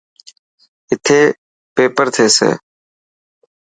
اٿي پيپر ٿيسي.